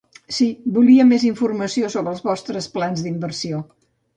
Sí, volia més informació sobre els vostres plans d'inversió.